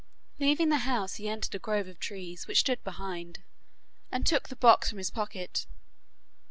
Leaving the house, he entered a grove of trees which stood behind, and took the box from his pocket.